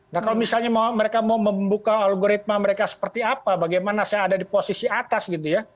nah kalau misalnya mereka mau membuka algoritma mereka seperti apa bagaimana saya ada di posisi atas gitu ya